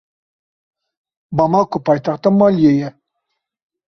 Bamako paytexta Maliyê ye.